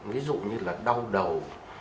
ví dụ như là đau đầu